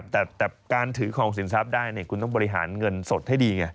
แต่การถือของสินทรัพย์ได้คุณต้องบริหารเงินสดให้ดีไง